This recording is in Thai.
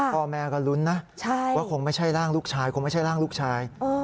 พ่อแม่ก็รุ้นนะว่าคงไม่ใช่ร่างลูกชาย